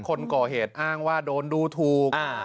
คนก่อเหตุอ้างว่าโดนดูถูก